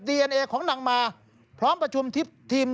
เอ็นเอของนางมาพร้อมประชุมทีม